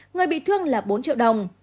người bị thương là bốn triệu đồng